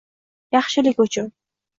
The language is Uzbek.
Yaxshilik uchun